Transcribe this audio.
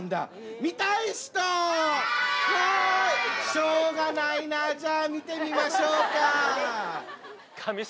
しょうがないなじゃあ見てみましょうか。